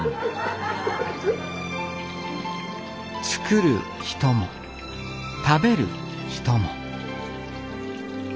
作る人も食べる人も。